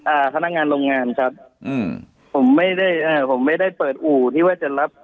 อ่าพนักงานโรงงานครับอืมผมไม่ได้เอ่อผมไม่ได้เปิดอู่ที่ว่าจะรับ